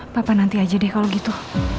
papa nanti aja deh kalau gitu